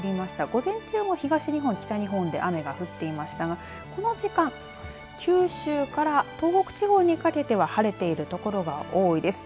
午前中も東日本、北日本で雨が降っていましたがこの時間九州から東北地方にかけては晴れている所が多いです。